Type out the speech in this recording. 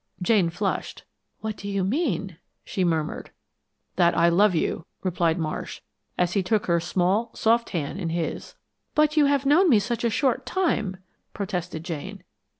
Jane flushed. "What do you mean?" she murmured. "That I love you," replied Marsh, as he took her small, soft hand in his. "But you have known me such a short time," protested Jane.